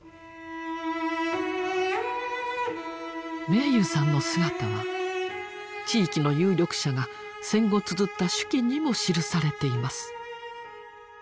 明勇さんの姿は地域の有力者が戦後つづった手記にも記されています。